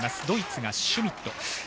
ドイツがシュミット。